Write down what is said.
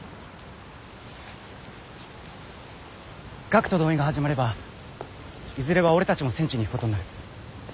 学徒動員が始まればいずれは俺たちも戦地に行くことになる。